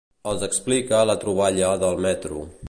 Els explica la troballa del metro.